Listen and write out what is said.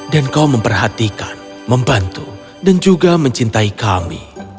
dan kau memperhatikan membantu dan juga mencintai kami